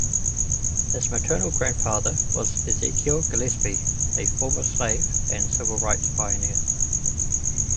His maternal grandfather was Ezekiel Gillespie, a former slave and civil rights pioneer.